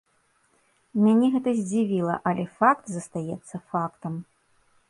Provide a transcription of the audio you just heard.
Мяне гэта здзівіла, але факт застаецца фактам.